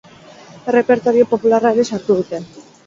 Errepertorio popularra ere sartu dute.